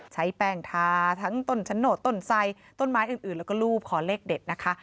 ใช้แป้งทาทั้งต้นฉโนตต้นไซต้นไม้อื่นแล้วก็รูปขอเลขเด็ดนะคะ